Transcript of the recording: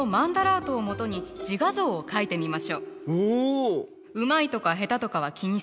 おお。